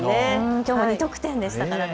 きょうも２得点でした。